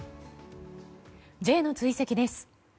Ｊの追跡です。